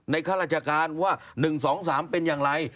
ข้าราชการว่า๑๒๓เป็นอย่างไร